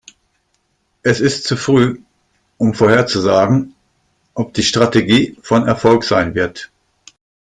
Es ist zu früh, um vorherzusagen, ob die Strategie von Erfolg sein wird.